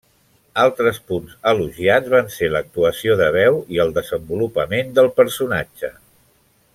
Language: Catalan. Altres punts elogiats van ser l'actuació de veu i el desenvolupament del personatge.